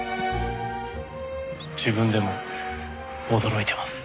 自分でも驚いてます。